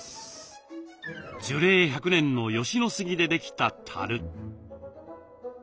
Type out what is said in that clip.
樹齢１００年の吉野杉でできたたる。